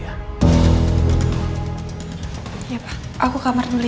iya pak aku ke kamar dulu ya